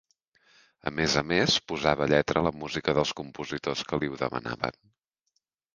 A més a més, posava lletra a la música dels compositors que li ho demanaven.